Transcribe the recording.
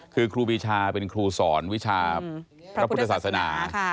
คือครูปีชาเป็นครูสอนวิชาพระพุทธศาสนา